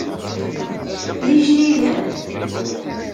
D ijdiden?